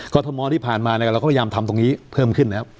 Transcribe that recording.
ก็ทมที่ผ่านมาเราก็พยายามทำตรงนี้เพิ่มขึ้นนะครับ